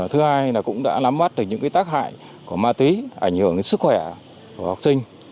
thứ hai là cũng đã nắm mắt được những cái tác hại của ma túy ảnh hưởng đến sức khỏe của học sinh